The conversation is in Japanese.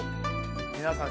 皆さん